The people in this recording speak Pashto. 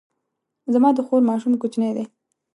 زما د خور ماشوم کوچنی دی